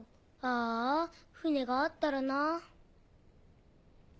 ああ船があったらなぁ。